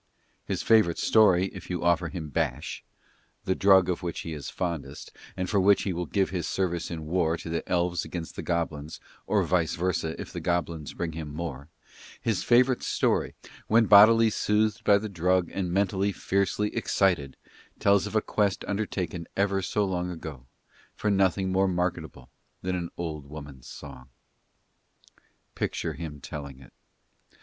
His favourite story if you offer him bash the drug of which he is fondest, and for which he will give his service in war to the elves against the goblins, or vice versa if the goblins bring him more his favourite story, when bodily soothed by the drug and mentally fiercely excited, tells of a quest undertaken ever so long ago for nothing more marketable than an old woman's song. Picture him telling it.